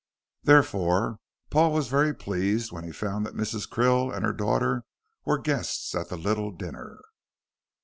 Therefore, Paul was very pleased when he found that Mrs. Krill and her daughter were the guests at the little dinner.